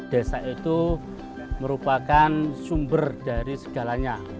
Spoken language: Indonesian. desa itu merupakan sumber dari segalanya